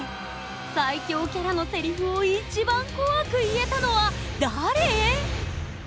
最恐キャラのセリフを一番怖く言えたのは誰？